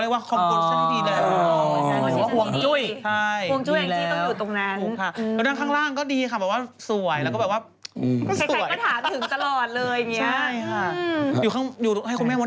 เด็กสมัยนี้เดี๋ยวเฮียนังสือปิดไปหมด